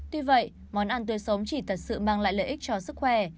tuy vậy món ăn tươi sống chỉ thật sự mang lại lợi ích cho sức khỏe